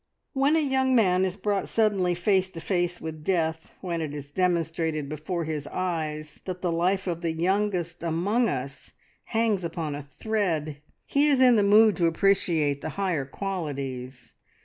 When a young man is brought suddenly face to face with death, when it is demonstrated before his eyes that the life of the youngest among us hangs upon a thread, he is in the mood to appreciate the higher qualities.